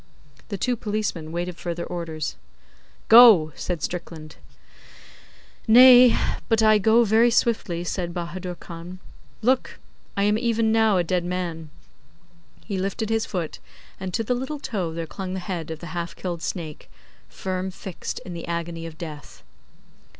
The two policemen waited further orders. 'Go!' said Strickland. 'Nay; but I go very swiftly,' said Bahadur Khan. 'Look! I am even now a dead man.' He lifted his foot, and to the little toe there clung the head of the half killed snake, firm fixed in the agony of death.